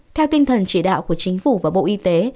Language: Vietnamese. theo tinh thần chỉ đạo của chính phủ và bộ y tế